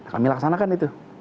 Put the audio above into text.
kami laksanakan itu